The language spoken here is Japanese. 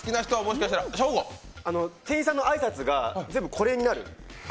店員さんの挨拶が、全部これになる。